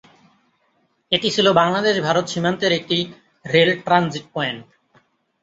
এটি ছিল বাংলাদেশ-ভারত সীমান্তের একটি রেল ট্রানজিট পয়েন্ট।